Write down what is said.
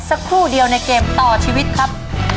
สักครู่เดียวในเกมต่อชีวิตครับ